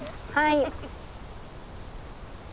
はい。